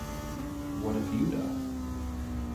What if you die?